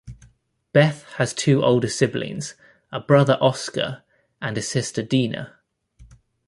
Beth has two older siblings, a brother Oscar and a sister Dinah.